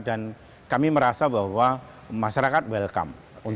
kami merasa bahwa masyarakat welcome